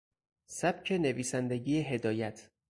سبک نویسندگی هدایت